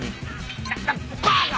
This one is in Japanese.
バカ！